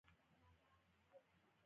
اضافي لګښتونه ګټه کموي.